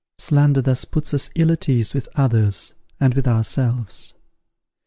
Slander thus puts us ill at ease with others and with ourselves.